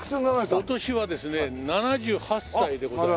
お年はですね７８歳でございます。